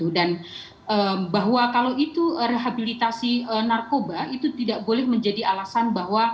dan bahwa kalau itu rehabilitasi narkoba itu tidak boleh menjadi alasan